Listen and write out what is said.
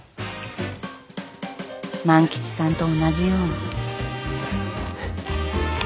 万吉さんと同じように。